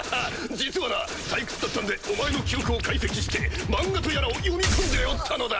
実はな退屈だったんでお前の記憶を解析して漫画とやらを読み込んでおったのだ！